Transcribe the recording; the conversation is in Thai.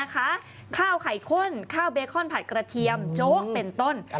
ข้าวไข่ข้นข้าวเบคอนผัดกระเทียมโจ๊กเป็นต้น